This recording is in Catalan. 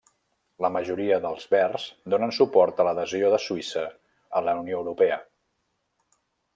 La majoria dels verds donen suport a l'adhesió de Suïssa a la Unió Europea.